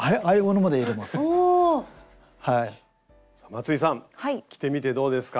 松井さん着てみてどうですか？